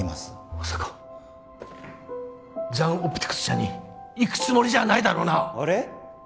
まさかジャンオプティクス社に行くつもりじゃないだろうな？